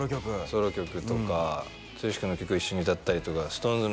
ソロ曲とか剛君の曲一緒に歌ったりとかＳｉｘＴＯＮＥＳ